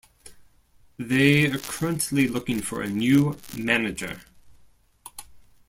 They are currently looking for a new Manager.